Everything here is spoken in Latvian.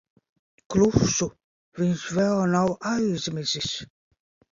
Klusu. Viņš vēl nav aizmidzis.